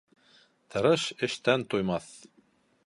Тырыш эштән туймаҫ.